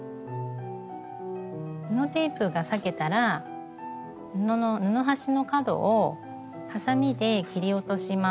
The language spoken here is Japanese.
布テープが裂けたら布端の角をはさみで切り落とします。